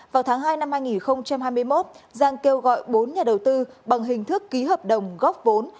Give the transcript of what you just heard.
vào tháng hai năm hai nghìn hai mươi một giang kêu gọi bốn nhà đầu tư bằng hình thức ký hợp đồng góp vốn